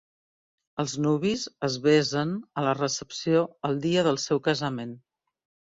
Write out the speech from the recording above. Els nuvis es besen a la recepció el dia del seu casament.